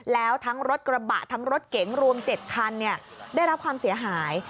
แล้วทั้งรถกระบะทั้งรถเก๋งรวม๗คันได้รับความเสียหาย